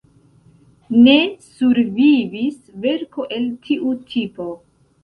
Ne survivis verko el tiu tipo.